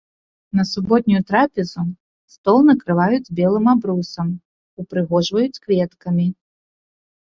На суботнюю трапезу стол накрываюць белым абрусам, упрыгожваюць кветкамі.